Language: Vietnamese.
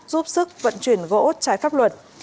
giúp sức vận chuyển gỗ trái pháp luật